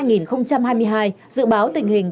năm hai nghìn hai mươi hai dự báo tình hình